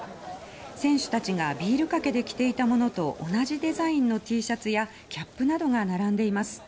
選手たちがビールかけで着ていたものと同じデザインのＴシャツやキャップなどが並んでいます。